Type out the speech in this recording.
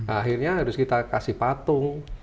akhirnya harus kita kasih patung